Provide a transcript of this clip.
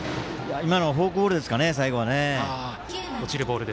今のはフォークボールですかね、最後は。